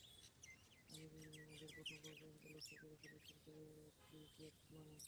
আলী নেমেই আমাদের প্রথম কয়েকজনকে লক্ষ্য করে খেলাচ্ছলে কয়েকটি জ্যাব মারেন।